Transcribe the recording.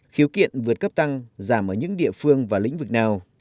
khiếu kiện vượt cấp tăng giảm ở những địa phương và lĩnh vực nào